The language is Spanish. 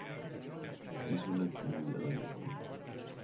Es una comunidad agrícola.